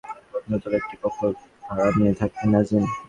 এরপর থেকে জনতা মার্কেটের পঞ্চম তলার একটি কক্ষ ভাড়া নিয়ে থাকতেন নাজিম।